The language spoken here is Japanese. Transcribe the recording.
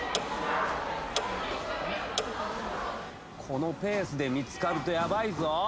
このペースで見つかるとヤバいぞ。